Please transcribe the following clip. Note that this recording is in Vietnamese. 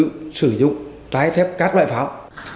được sử dụng trái phép các loại pháo